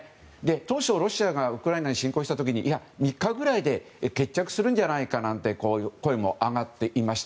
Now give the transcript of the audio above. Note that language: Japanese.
当初、ロシアがウクライナに侵攻した時に３日ぐらいで決着するんじゃないかなんて声も上がっていました。